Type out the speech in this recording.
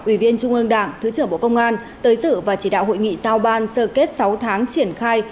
ủy viên trung ương đảng thứ trưởng bộ công an tới sự và chỉ đạo hội nghị giao ban sơ kết sáu tháng triển khai